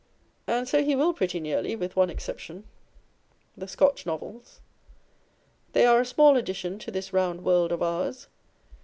And so he will pretty nearly with one exception â€" the Scotch Novels. They are a small addition to this round world of ours.